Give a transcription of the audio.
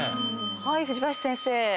はい藤林先生。